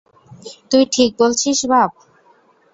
তুই ঠিক বলছিস, বাপ।